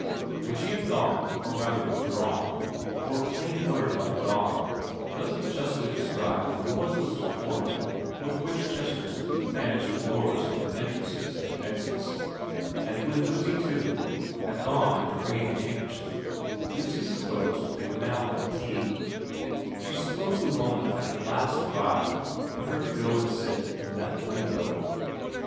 When she had gone or rather withdrawn, for a plain word like gone doesn't justly describe the noiseless decorum with which Chesterton managed the doors of her entrances and exits and when Lizzie, too, had gone after bringing a handkerchief, Lucy supposed they would now have tea ; she supposed the moment had at last arrived for her to go and sit in that window.